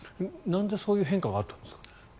なんでそういう変化があったんですか？